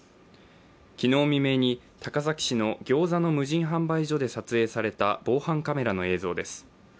昨日未明に、高崎市のギョーザの無人販売所で撮影された防犯カメラの映像です。